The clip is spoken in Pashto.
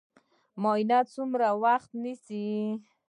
معاینات څومره وخت نیسي؟